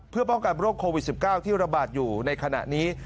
เพื่อป้องกันโรคโควิด๑๙ที่ระบาดอยู่ในขณะนี้